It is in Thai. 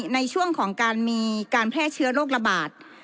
ในช่วงของการมีการแพร่เชื้อโรคระบาด